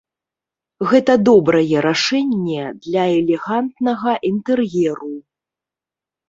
Гэта добрае рашэнне для элегантнага інтэр'еру.